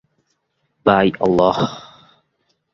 By Allah!